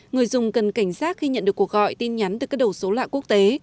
người dùng cần cảnh giác khi nhận được cuộc gọi tin nhắn từ các đầu số lạ quốc tế